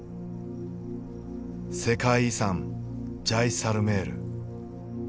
世界遺産ジャイサルメール。